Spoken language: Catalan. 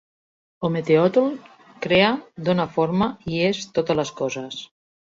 Ometéotl crea, dona forma i és totes les coses.